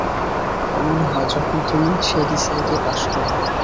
এমনই হয় যখন তুমি শ্যাডিসাইড এ বাস করো।